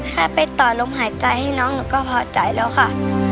ถ้าไปต่อลมหายใจให้น้องหนูก็พอใจแล้วค่ะ